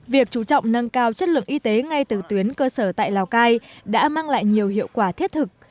việc chú trọng nâng cao chất lượng y tế ngay từ tuyến cơ sở tại lào cai đã mang lại nhiều hiệu quả thiết thực